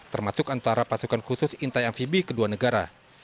termasuk antara pasukan khusus intai amfibi kedua negara